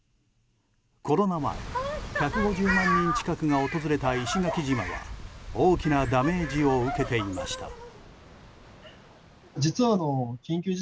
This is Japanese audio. コロナ前１５０万人近くが訪れた石垣島が大きなダメージを受けていました。